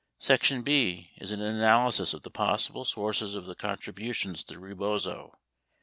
Section B is an analysis of the possible sources of the contribu tions to Rebozo.